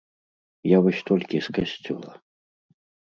Я вось толькі з касцёла.